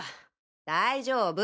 大丈夫！